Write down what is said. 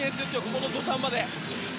この土壇場で。